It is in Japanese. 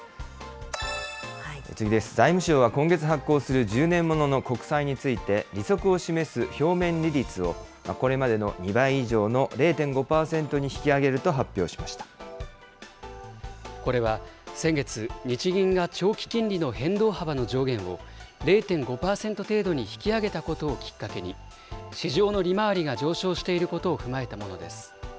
次です、財務省は今月発行する１０年ものの国債について、利息を示す表面利率をこれまでの２倍以上の０．５％に引き上げるこれは先月、日銀が長期金利の変動幅の上限を０．５％程度に引き上げたことをきっかけに、市場の利回りが上昇していることを踏まえたものです。